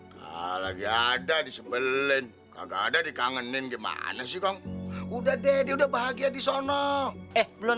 kamu dia lagi ada disebelin kagak ada dikangenin gimana sih udah deh udah bahagia di sono eh belum